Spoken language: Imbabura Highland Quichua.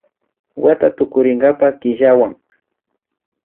Wata tukurin kapak killawan